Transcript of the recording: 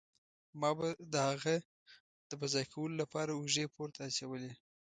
ما به د هغه د په ځای کولو له پاره اوږې پورته اچولې.